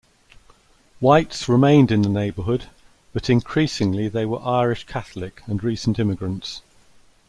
Whites remained in the neighborhood, but increasingly they were Irish Catholic and recent immigrants.